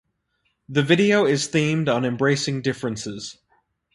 The video is themed on embracing differences.